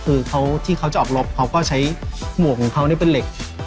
คือเขาที่เขาจะออกรบเขาก็ใช้หมวกของเขานี่เป็นเหล็ก